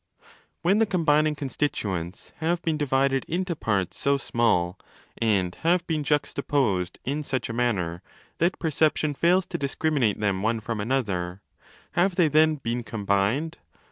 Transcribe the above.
When the combining constituents have been divided into parts so small, and have been juxtaposed in such a manner, 35 that perception fails to discriminate them one from another, 328° have they then 'been combined'?